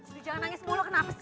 sudi jangan nangis mulu kenapa sih